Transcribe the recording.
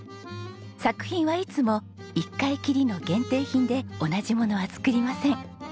作品はいつも一回きりの限定品で同じものは作りません。